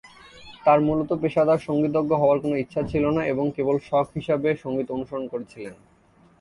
তাঁর মূলত পেশাদার সংগীতজ্ঞ হওয়ার কোনও ইচ্ছা ছিল না এবং কেবল শখ হিসাবে সংগীত অনুসরণ করেছিলেন।